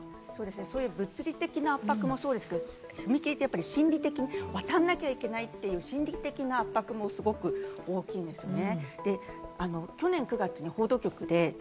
物理的な圧迫もそうですけど、踏切って心理的に、渡らなきゃいけないという心理的な圧迫もすごく大きいですよね。